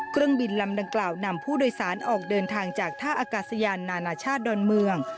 เครื่องบินลำดังกล่าวนำผู้โดยสารออกเดินทางจากท่าอากาศยานนานาชาติดอนเมือง